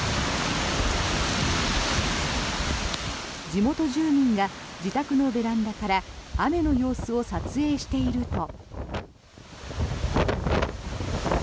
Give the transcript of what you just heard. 地元住民が自宅のベランダから雨の様子を撮影していると。